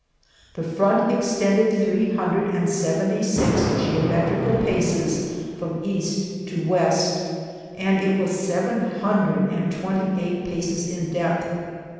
The front extended three hundred and sev enty six geometrical paces from east to west, and it was seven hundred and twenty eight paces in depth.